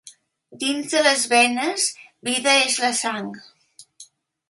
Dins de les venes vida és la sang.